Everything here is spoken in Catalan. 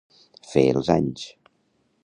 Fer els anys.